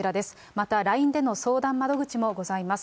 またＬＩＮＥでの相談窓口もございます。